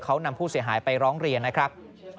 เขานำผู้เสียหายไปร้องเรียนนะครับ